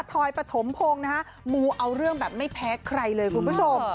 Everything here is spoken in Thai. อยปฐมพงศ์นะฮะมูเอาเรื่องแบบไม่แพ้ใครเลยคุณผู้ชม